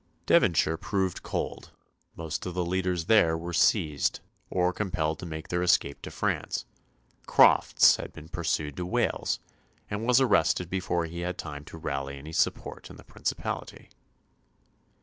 Devonshire proved cold; most of the leaders there were seized, or compelled to make their escape to France; Crofts had been pursued to Wales, and was arrested before he had time to rally any support in the principality.